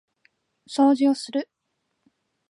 掃除をする